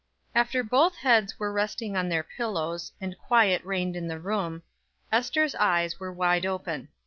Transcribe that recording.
After both heads were resting on their pillows, and quiet reigned in the room, Ester's eyes were wide open.